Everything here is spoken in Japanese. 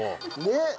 ねっ。